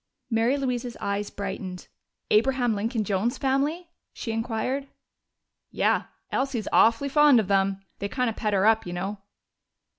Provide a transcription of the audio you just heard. Mary Louise's eyes brightened. "Abraham Lincoln Jones's family?" she inquired. "Yeah. Elsie's awful fond of them. They kind of pet her up, you know."